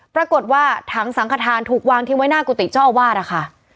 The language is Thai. ปรากฏว่าถังสังขทานถูกวางทิ้งไว้หน้ากุฏิเจ้าอาวาสนะคะ